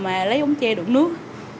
mà lấy ống tre đựng nước